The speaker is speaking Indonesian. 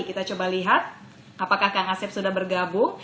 kita coba lihat apakah kang asep sudah bergabung